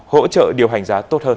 hỗ trợ điều hành giá tốt hơn